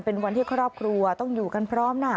เป็นวันที่ครอบครัวต้องอยู่กันพร้อมนะ